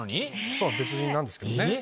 そう別人なんですけどね。